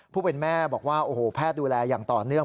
ผู้เป็นแม่บอกว่าโอ้โหแพทย์ดูแลอย่างต่อเนื่อง